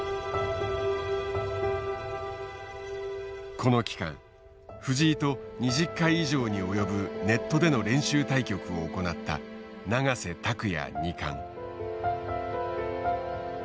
この期間藤井と２０回以上に及ぶネットでの練習対局を行った永瀬拓矢二冠。